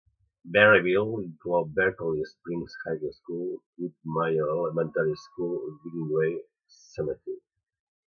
Berryville inclou Berkeley Springs High School, Widmyer Elementary School i Greenway Cemetery.